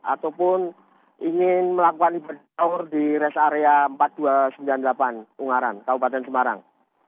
ataupun ingin melakukan ibadah ur di res area empat ribu dua ratus sembilan puluh delapan ungaran kabupaten semarang